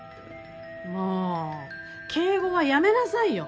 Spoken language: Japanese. もう敬語はやめなさいよ。